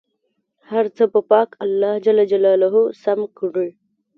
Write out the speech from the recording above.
هر څه به پاک الله جل جلاله سم کړي.